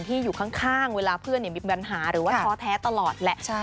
อยู่ข้างเวลาเพื่อนมีปัญหาหรือว่าท้อแท้ตลอดแหละ